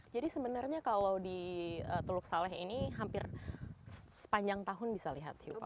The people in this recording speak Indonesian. jadi sebenarnya kalau di teluk saleh ini hampir sepanjang tahun bisa lihat hiupaus